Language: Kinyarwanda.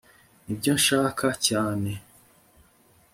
nibyo nshaka cyane